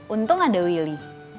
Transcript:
untung ada willy